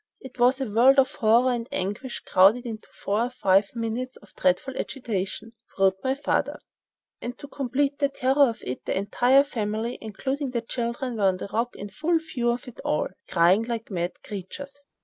"It was a world of horror and anguish crowded into four or five minutes of dreadful agitation," wrote my father, "and to complete the terror of it the entire family, including the children, were on the rock in full view of it all, crying like mad creatures."